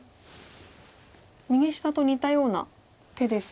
右下と似たような手ですが。